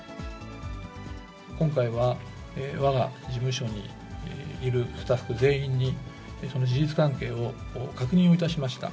今回は、わが事務所にいるスタッフ全員に、その事実関係を確認をいたしました。